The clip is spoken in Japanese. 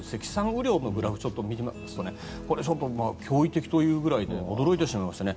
雨量のグラフを見ると驚異的というぐらいで驚いてしまいましたね。